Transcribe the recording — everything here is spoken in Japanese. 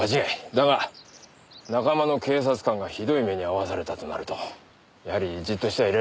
だが仲間の警察官がひどい目に遭わされたとなるとやはりじっとしてはいられない。